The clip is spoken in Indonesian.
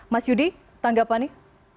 mas yudi tanggapan nih